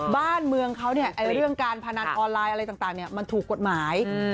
บ้านเมืองเขาเนี่ยเรื่องการพนันออนไลน์อะไรต่างมันถูกกฎหมาย